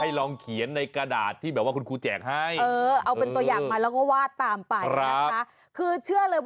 อันนั้นจดหมายส่วนตัว